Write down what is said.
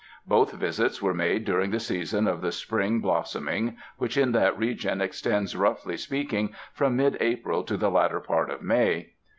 Both visits were made during the season of the spring blossoming which in that region extends, roughly speaking, from mid April to the latter part of May.